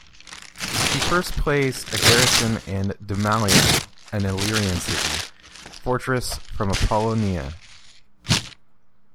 He first placed a garrison in Dimallum, an Illyrian city-fortress from Apollonia.